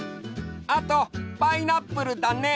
あとパイナップルだね。